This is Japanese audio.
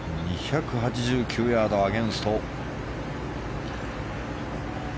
２８９ヤードアゲンスト。